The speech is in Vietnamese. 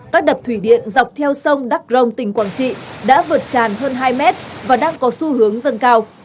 các đập thủy điện dọc theo sông đắk rông tỉnh quảng trị đã vượt tràn hơn hai mét và đang có xu hướng dâng cao